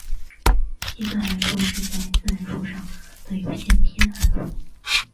计算函数是在自然数上的有限偏函数。